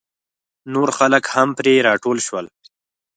نور خلک هم پرې راټول شول.